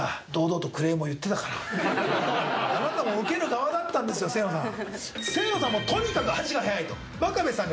あなたも受ける側だったんですよ清野さん。